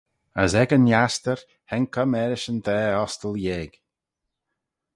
As ec yn astyr haink eh marish yn daa ostyl yeig.